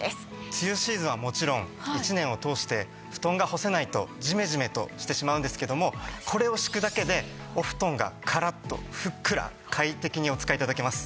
梅雨シーズンはもちろん一年を通して布団が干せないとジメジメとしてしまうんですけどもこれを敷くだけでお布団がカラッとふっくら快適にお使い頂けます。